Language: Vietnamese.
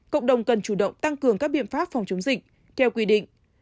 cộng đồng cần chủ động tăng cường các biện pháp phòng chống dịch theo quy định